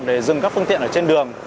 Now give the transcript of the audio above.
để dừng các phương tiện ở trên đường